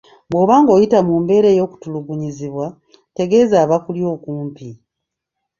Bw’oba ng’oyita mu mbeera ey’okutulugunyizibwa, tegeeza abakuli okumpi.